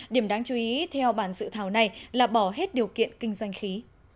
điểm đáng chú ý theo bản dự thảo này là bỏ hết điều kiện kinh doanh khí